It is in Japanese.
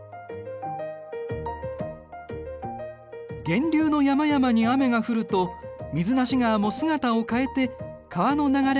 源流の山々に雨が降ると水無川も姿を変えて川の流れが現れる。